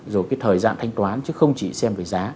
rồi cái thời gian thanh toán chứ không chỉ xem về giá